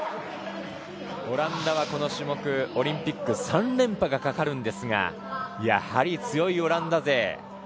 オランダは、この種目オリンピック３連覇がかかるんですがやはり強いオランダ勢。